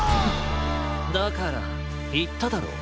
だからいっただろう。